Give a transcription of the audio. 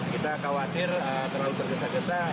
kita khawatir terlalu tergesa gesa